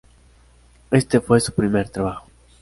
Este fue su primer trabajo.